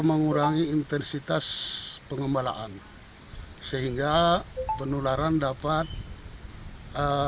mengurangi intensitas pengembalaan sehingga penularan dapat berkurang dan penanganan dapat